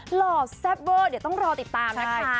หล่อแซ่บเวอร์เดี๋ยวต้องรอติดตามนะคะ